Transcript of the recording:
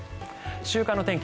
週間の天気